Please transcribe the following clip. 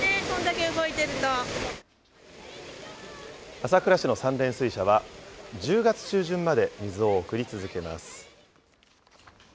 朝倉市の三連水車は、１０月中旬まで水を送り続けます。